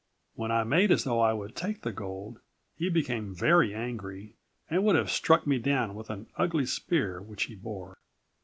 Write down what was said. "When I made as though I would take the gold, he became very angry, and would have struck me down with an ugly spear which he bore.